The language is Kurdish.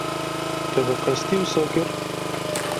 Te bi qesdî wisa kir?